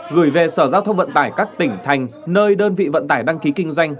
gửi về sở giao thông vận tài các tỉnh thành nơi đơn vị vận tài đăng ký kinh doanh